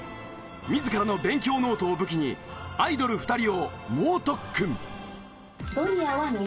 自らの勉強ノートを武器にアイドル２人を猛特訓！